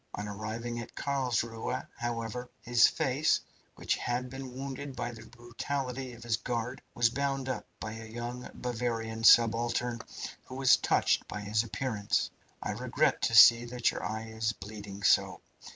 On arriving at Carlsruhe, however, his face, which had been wounded by the brutality of his guard, was bound up by a young Bavarian subaltern who was touched by his appearance. I regret to see that your eye is bleeding so.